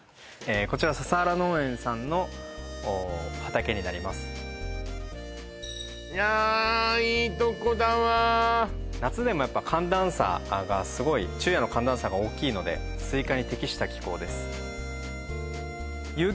こちら笹原農園さんの畑になりますいやいいとこだわ夏でもやっぱ寒暖差がすごい昼夜の寒暖差が大きいのでスイカに適した気候です